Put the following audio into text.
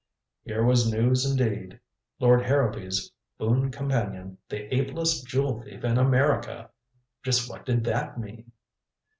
Here was news indeed. Lord Harrowby's boon companion the ablest jewel thief in America! Just what did that mean?